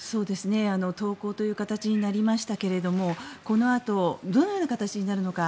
投降という形になりましたがこのあとどのような形になるのか。